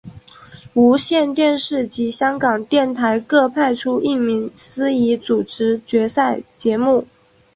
无线电视及香港电台各派出一名司仪主持决赛节目。